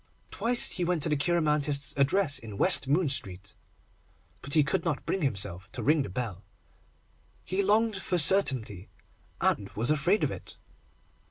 Twice he went to the cheiromantist's address in West Moon Street, but he could not bring himself to ring the bell. He longed for certainty, and was afraid of it.